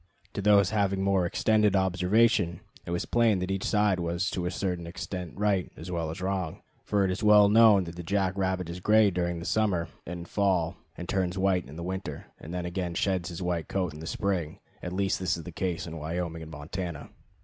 To those having more extended observation it was plain that each side was to a certain extent right as well as wrong, for it is well known that the jack rabbit is gray during summer and fall and turns white in the winter, and then again sheds his white coat in spring: at least this is the case in Wyoming and Montana.